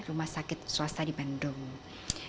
rumah sakit swasta di bandung